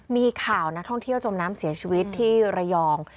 มีข่าวนักท่องเที่ยวจมน้ำเสียชีวิตที่ระยอง